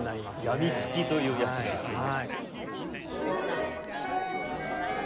病みつきというやつですね。